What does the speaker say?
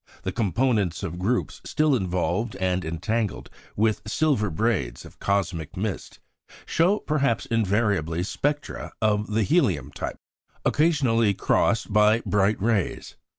The components of groups, still involved and entangled with "silver braids" of cosmic mist, show, perhaps invariably, spectra of the helium type, occasionally crossed by bright rays.